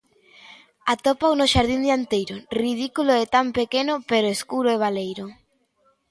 Atópao no xardín dianteiro, ridículo de tan pequeno, pero escuro e baleiro.